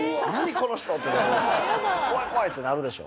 この人！？ってなるでしょ。